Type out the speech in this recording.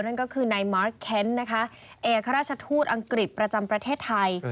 นั่นก็คือนายมอสเคนนะคะเอกราชทูตอังกฤษประจำประเทศไทย